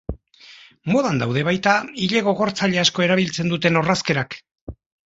Modan daude baita ile-gogortzaile asko erabiltzen duten orrazkerak.